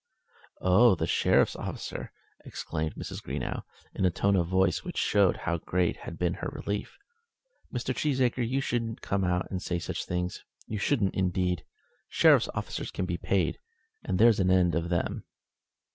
"Oh, the sheriff's officers!" exclaimed Mrs. Greenow, in a tone of voice which showed how great had been her relief. "Mr. Cheesacre, you shouldn't come and say such things; you shouldn't, indeed. Sheriff's officers can be paid, and there's an end of them."